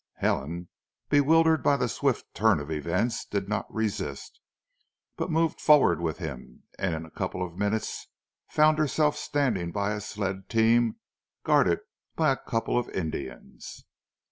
Helen, bewildered by the swift turn of events, did not resist, but moved forward with him, and in a couple of minutes found herself standing by a sled team guarded by a couple of Indians.